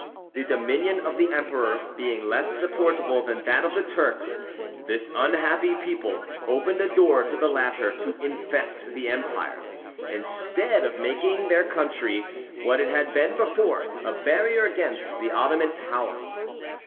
The dominion of the emperor being less supportable than that of the Turks, this unhappy people opened a door to the latter to infest the empire, instead of making their country, what it had been before, a barrier against the Ottoman power.